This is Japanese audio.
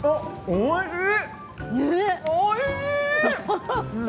おいしい。